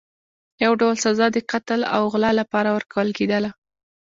یو ډول سزا د قتل او غلا لپاره ورکول کېدله.